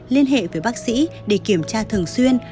liên hệ với bác sĩ để kiểm tra thường xuyên